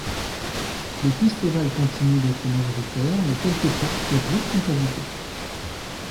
Les pistes ovales continues d'être majoritaires, mais quelques courses sur route sont ajoutées.